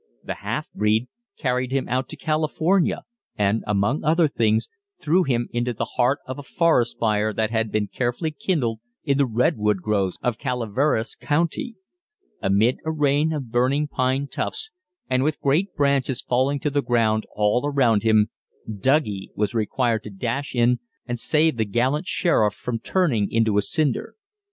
"The Half Breed" carried him out to California, and, among other things, threw him into the heart of a forest fire that had been carefully kindled in the redwood groves of Calaveras County. Amid a rain of burning pine tufts, and with great branches falling to the ground all around him, "Douggie" was required to dash in and save the gallant sheriff from turning into a cinder.